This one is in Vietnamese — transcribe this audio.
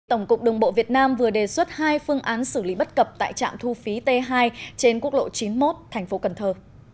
tổng cục đường bộ việt nam vừa đề xuất hai phương án xử lý bất cập tại trạm thu phí t hai trên quốc lộ chín mươi một thành phố cần thơ